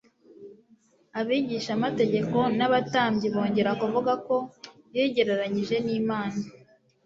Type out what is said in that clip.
Abigishamategeko n'abatambyi bongera kuvuga ko yigereranije n'Imana.